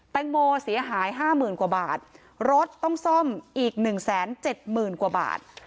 แตงโมเสียหายห้าหมื่นกว่าบาทรถต้องซ่อมอีกหนึ่งแสนเจ็ดหมื่นกว่าบาท